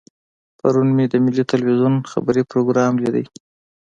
پرون مې د ملي ټلویزیون خبري پروګرام لیدلو.